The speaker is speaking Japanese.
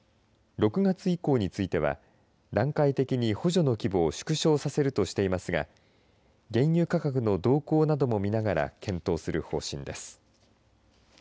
６月以降については段階的に補助の規模を縮小させるとしていますが軽油価格の動向なども見ながら検討する方針です。